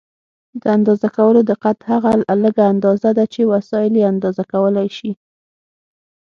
د اندازه کولو دقت هغه لږه اندازه ده چې وسایل یې اندازه کولای شي.